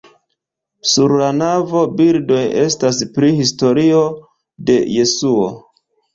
Sur la navo bildoj estas pri historio de Jesuo.